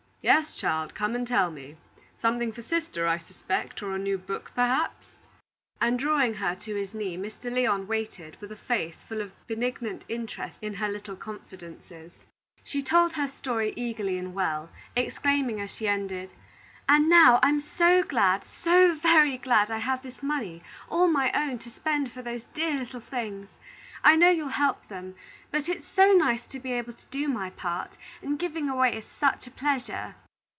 "Yes, child; come and tell me. Something for sister, I suspect; or a new book, perhaps." And, drawing her to his knee, Mr. Lyon waited with a face full of benignant interest in her little confidences. She told her story eagerly and well, exclaiming as she ended: "And now, I'm so glad, so very glad, I have this money, all my own, to spend for those dear little things! I know you'll help them; but it's so nice to be able to do my part, and giving away is such a pleasure."